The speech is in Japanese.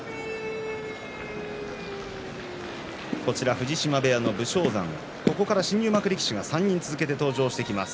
藤島部屋の武将山、ここから新入幕力士が３人続けて登場してきます。